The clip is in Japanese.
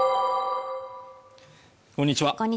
こんにちは